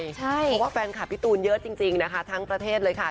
เพราะว่าแฟนคลับพี่ตูนเยอะจริงนะคะทั้งประเทศเลยค่ะ